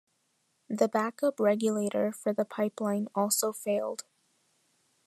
The backup regulator for the pipeline also failed.